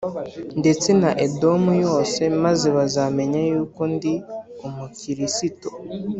ndetse na edomu yose maze bazamenye yuko ndi umu kirisito